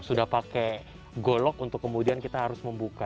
sudah pakai golok untuk kemudian kita harus membuka